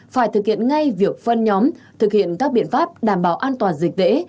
phải thực hiện ngay việc phân nhóm thực hiện các biện pháp đảm bảo an toàn dịch tễ